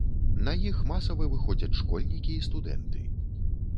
На іх масава выходзяць школьнікі і студэнты.